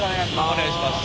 お願いします。